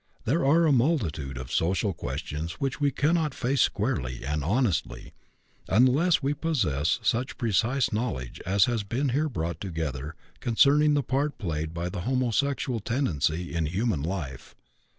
There are a multitude of social questions which we cannot face squarely and honestly unless we possess such precise knowledge as has been here brought together concerning the part played by the homosexual tendency in human life.